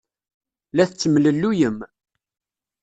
La tettemlelluyem.